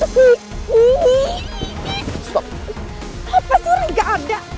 apaan sih orang gak ada